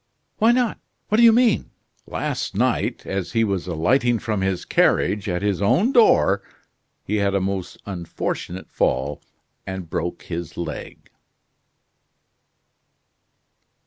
"Why not! What do you mean?" "Last night, as he was alighting from his carriage, at his own door, he had a most unfortunate fall, and broke his leg."